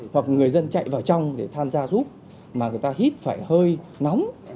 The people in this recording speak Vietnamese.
hoặc người dân chạy vào trong để tham gia giúp mà người ta hít phải hơi nóng